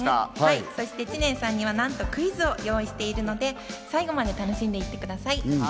そして知念さんにはなんとクイズを用意しているので最後まで楽しんでいってください。